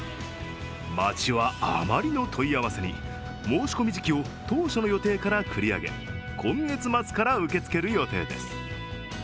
町はあまりの問い合わせに申し込み時期を当初の予定から繰り上げ、今月末から受け付ける予定です。